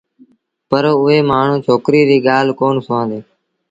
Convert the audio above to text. پر اُئي مآڻهوٚٚݩ ڇوڪري ريٚ ڳآل ڪونا سُوآݩدي